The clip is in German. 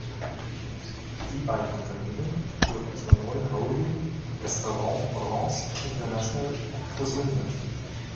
Die beiden Unternehmen wurden zur neuen Holding Restaurant Brands International fusioniert.